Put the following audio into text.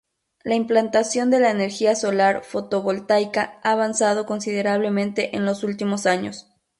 La implantación de la energía solar fotovoltaica ha avanzado considerablemente en los últimos años.